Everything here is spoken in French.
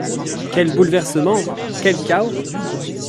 Quel bouleversement! quel chaos !